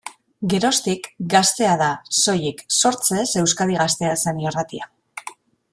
Geroztik, Gaztea da, soilik, sortzez Euskadi Gaztea zen irratia.